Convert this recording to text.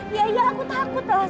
iya iya aku takut lah satria